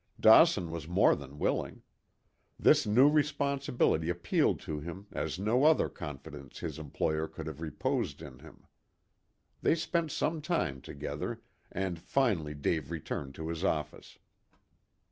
Dawson was more than willing. This new responsibility appealed to him as no other confidence his employer could have reposed in him. They spent some time together, and finally Dave returned to his office.